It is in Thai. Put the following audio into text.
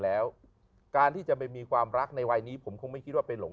แล้วการที่จะไปมีความรักในวัยนี้ผมคงไม่คิดว่าไปหลง